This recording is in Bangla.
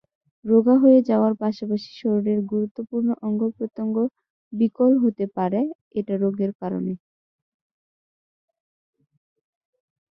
রোগা হয়ে যাওয়ার পাশাপাশি শরীরের গুরুত্বপূর্ণ অঙ্গ-প্রত্যঙ্গ বিকল হতে পারে এই রোগের কারণে।